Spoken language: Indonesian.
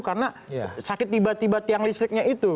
karena sakit tiba tiba tiang listriknya itu